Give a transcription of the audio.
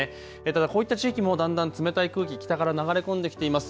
ただこういった地域もだんだん冷たい空気、北から流れ込んできています。